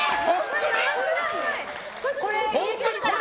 これ？